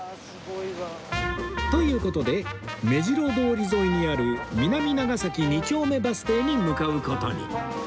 という事で目白通り沿いにある南長崎二丁目バス停に向かう事に